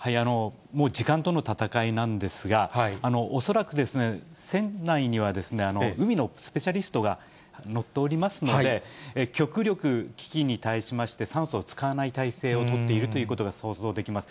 もう時間との闘いなんですが、恐らくですね、船内には海のスペシャリストが乗っておりますので、極力危機に対しまして、酸素を使わない態勢を取っているということが想像できます。